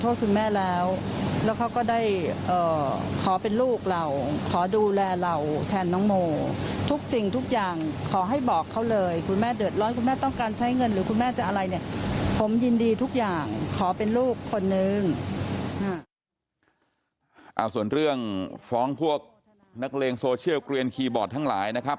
ส่วนเรื่องฟ้องพวกนักเลงโซเชียลเกลียนคีย์บอร์ดทั้งหลายนะครับ